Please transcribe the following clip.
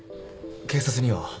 警察には？